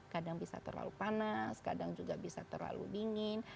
kadang bisa terlalu panas kadang juga bisa terlalu dingin